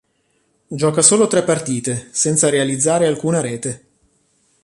Gioca solo tre partita senza realizzare alcuna rete.